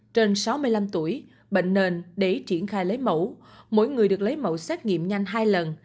trên sáu mươi năm tuổi bệnh nền để triển khai lấy mẫu mỗi người được lấy mẫu xét nghiệm nhanh hai lần